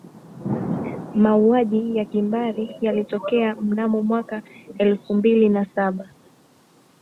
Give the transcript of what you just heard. mauaji ya kimbari yalitokea mnamo mwaka elfu mbili na saba